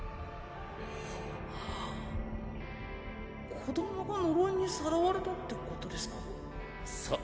子どもが呪いにさらわれたってことでそっ。